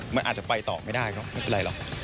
มันอาจจะไปต่อไม่ได้ก็ไม่เป็นไรหรอก